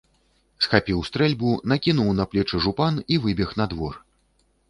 Схапіў стрэльбу, накінуў на плечы жупан і выбег на двор.